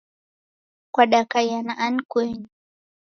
Kwadakaiya na ani kenyu